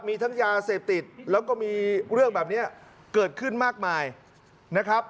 มีทั้งยาเสพติดแล้วก็มีเรื่องแบบนี้เกิดขึ้นมากมายนะครับ